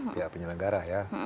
pihak penyelenggara ya